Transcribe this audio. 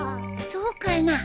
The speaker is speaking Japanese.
そうかな？